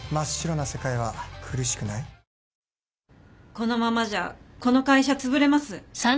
このままじゃこの会社つぶれます。